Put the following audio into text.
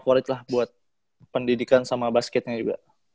kulit lah buat pendidikan sama basketnya juga